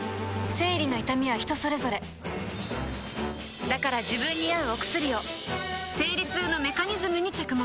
生理の痛みは人それぞれだから自分に合うお薬を生理痛のメカニズムに着目